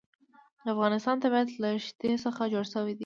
د افغانستان طبیعت له ښتې څخه جوړ شوی دی.